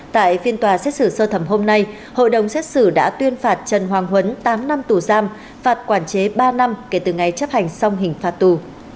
tại phiên tòa xét xử sơ thẩm hôm nay hội đồng xét xử đã tuyên phạt trần hoàng huấn tám năm tù giam phạt quản chế ba năm kể từ ngày chấp hành xong hình phạt tù